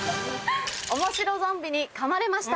「おもしろゾンビに噛まれました